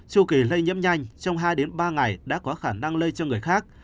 châu kỳ lây nhiễm nhanh trong hai ba ngày đã có khả năng lây cho người khác